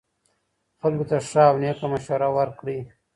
خلکو ته ښه او نیکه مشوره ورکړئ.